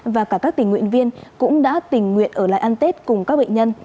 và cả các tình nguyện viên cũng đã tình nguyện ở lại ăn tết cùng các bệnh nhân